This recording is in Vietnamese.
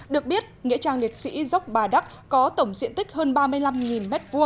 được biết nghĩa trang liệt sĩ dốc bà đắc có tổng diện tích hơn ba mươi năm m hai